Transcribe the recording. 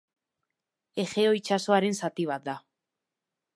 Egeo itsasoaren zati bat da.